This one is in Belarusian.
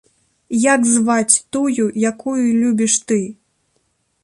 Як зваць тую, якую любіш ты?